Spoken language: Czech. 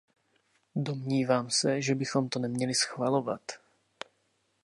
Domnívám se, že bychom to neměli schvalovat.